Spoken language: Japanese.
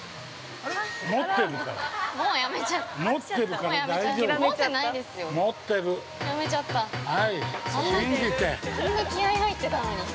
◆あんな気合い入ってたのに。